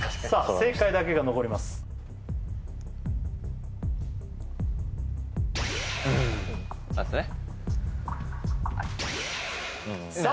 正解だけが残りますさあ